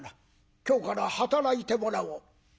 今日から働いてもらおう」。